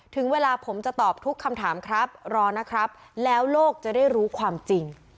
ถึงเวลาผมจะตอบทุกคำถามครับรอนะครับแล้วโลกจะได้รู้ความจริง